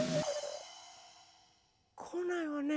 こないわね。